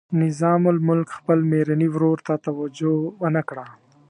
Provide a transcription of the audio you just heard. نظام الملک خپل میرني ورور ته توجه ونه کړه.